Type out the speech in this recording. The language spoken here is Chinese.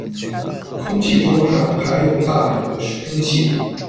空气中还含有大量的水蒸气。